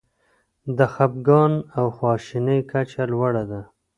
د خپګان او خواشینۍ کچه لوړه ده.